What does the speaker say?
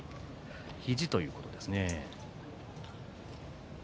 肘ということですね。